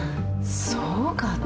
そうかな。